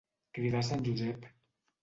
Cridar sant Josep.